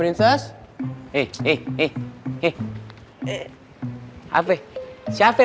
tunggu sekejap ya